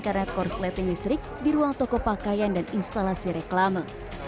karena korsleting listrik di ruang toko pakaian dan instalasi reklame